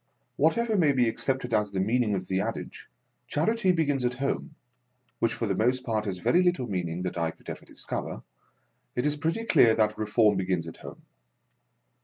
Whatever may be accepted as the meaning of the adage, Charity begins at home — which for the most part has very little meaning that I could ever discover — it is pretty clear that Keforni begins at home.